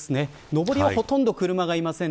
上りは、ほとんど車がいません。